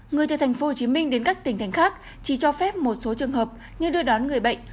người từ thành phố hồ chí minh đến các tỉnh thành khác chỉ cho phép một số trường hợp như đưa đón người bệnh